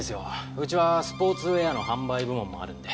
うちはスポーツウェアの販売部門もあるんで。